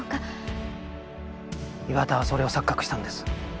岩田はそれを錯覚したんです。